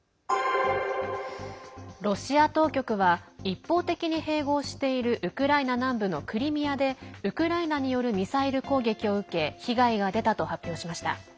ロシア当局は一方的に併合しているウクライナ南部のクリミアでウクライナによるミサイル攻撃を受け被害が出たと発表しました。